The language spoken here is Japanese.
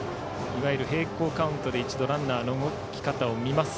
いわゆる並行カウントで一度ランナーの動き方を見ます。